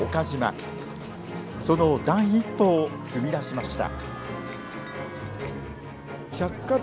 その第一歩を踏み出しました。